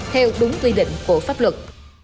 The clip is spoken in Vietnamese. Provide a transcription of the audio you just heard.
theo đúng quy định của pháp luật